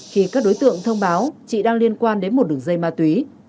khi các đối tượng thông báo chị đang liên quan đến một đường dây ma túy